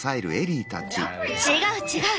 違う違う！